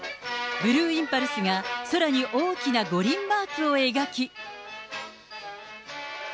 ブルーインパルスが空に大きな五輪マークを描き。